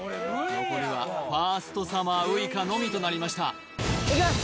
残るはファーストサマーウイカのみとなりましたいきます